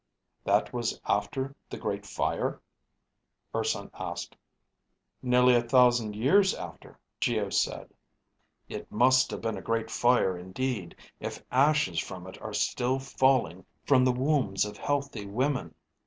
"That was after the Great Fire?" Urson asked. "Nearly a thousand years after," Geo said. "It must have been a Great Fire indeed if ashes from it are still falling from the wombs of healthy women."